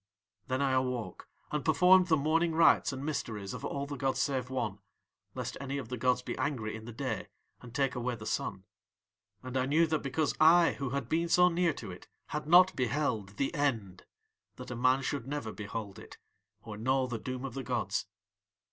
Then I awoke and performed the morning rites and mysteries of All the gods save One, lest any of the gods be angry in the day and take away the Sun. "And I knew that because I who had been so near to it had not beheld THE END that a man should never behold it or know the doom of the gods.